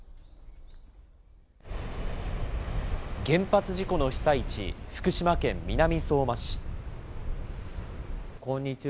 原発事故の被災地、福島県南相馬市。